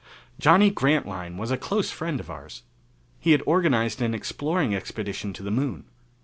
Johnny Grantline was a close friend of ours. He had organized an exploring expedition to the Moon.